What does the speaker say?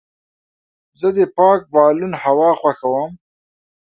زه د پاک بالون هوا خوښوم.